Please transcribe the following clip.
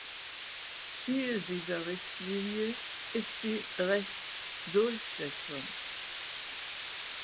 Ziel dieser Richtlinie ist die Rechtsdurchsetzung.